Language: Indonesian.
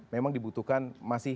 memang dibutuhkan masalah